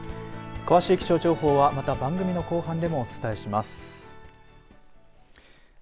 詳しい気象情報はまた番組の後半でもお伝えします。